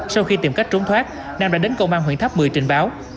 sau khi tìm cách trốn thoát nam đã đến công an huyện tháp mười trình báo